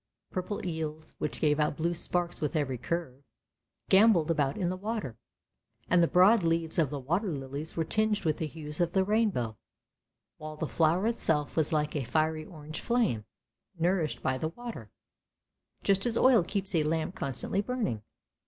Purple eels, which gave out blue sparks with every curve, gambolled about in the water; and the broad leaves of the water lillies were tinged with the hues of the rainbow, while the flower itself was like a fiery orange flame, nourished by the water, just as oil keeps a lamp con stantly burning.